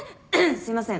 すいません。